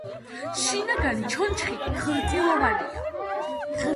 შინაგანი ჩონჩხი ხრტილოვანია.